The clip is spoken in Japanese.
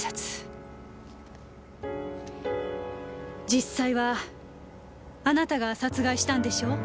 実際はあなたが殺害したんでしょう？